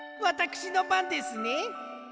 わたくしのばんですね。